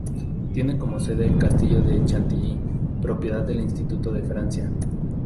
Tiene como sede el castillo de Chantilly, propiedad del Instituto de Francia.